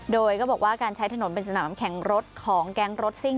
โดยก็บอกว่าการใช้ถนนเป็นสนามแข่งรถของแก๊งรถซิ่ง